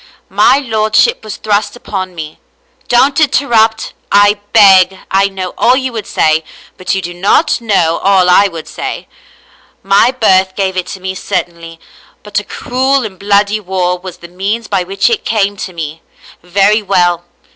My lordship was thrust upon me. Don't interrupt, I beg, I know all you would say, but you do not know all I would say — My birth gave it to me certainly, but a cruel and bloody war was the means by which it came to me. Very well.